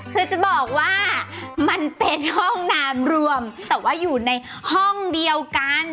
คือจะบอกว่ามันเป็นห้องน้ำรวมแต่ว่าอยู่ในห้องเดียวกัน